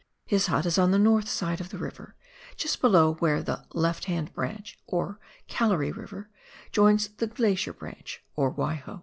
His hut is on the north side of the river, just below where the " Left hand " branch, or Gallery River, joins the " Glacier branch " or Waiho.